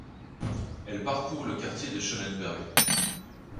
Elle parcourt le quartier de Schöneberg.